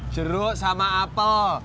jeruk sama apel